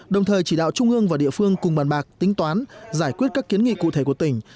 đồng thời chỉ đạo trung ương và địa phương cùng bàn bạc tính toán giải quyết các kiến nghị cụ thể của tỉnh